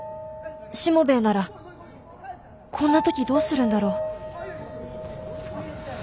しもべえならこんな時どうするんだろう。